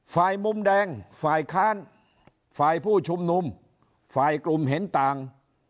มุมแดงฝ่ายค้านฝ่ายผู้ชุมนุมฝ่ายกลุ่มเห็นต่าง